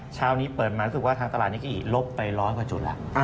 เช้านี้เปิดมารู้สึกว่าทางตลาดนิข่าวอีกลบไป๑๐๐กว่าจุด